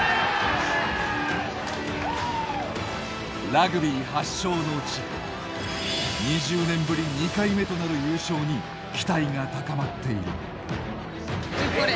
ラグビー発祥の地２０年ぶり２回目となる優勝に期待が高まっている。